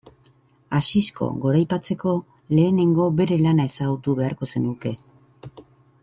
Asisko goraipatzeko lehenengo bere lana ezagutu beharko zenuke.